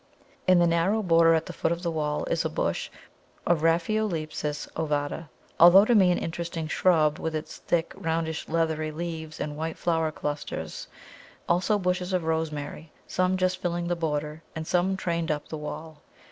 In the narrow border at the foot of the wall is a bush of Raphiolepis ovata, always to me an interesting shrub, with its thick, roundish, leathery leaves and white flower clusters, also bushes of Rosemary, some just filling the border, and some trained up the wall.